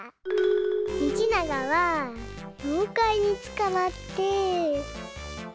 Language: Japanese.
みちながはようかいにつかまって。